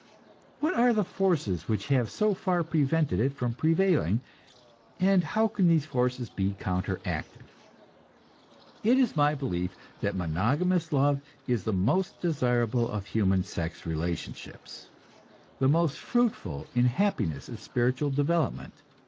What are the forces which have so far prevented it from prevailing, and how can these forces be counteracted? It is my belief that monogamous love is the most desirable of human sex relationships, the most fruitful in happiness and spiritual development.